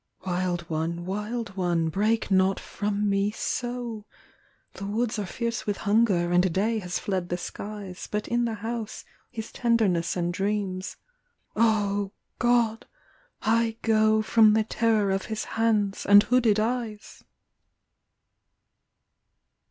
" Wild one, wild one, break not from me so ! The woods are fierce with hunger, and day has fled the skies. But in the house is tenderness and dreams." " O, God, I go From the terror of his hands and hooded eyes